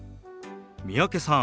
三宅さん